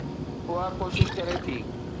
اها ڪوشش ڪري ٿي